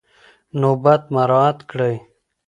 نوبت مراعات کړئ.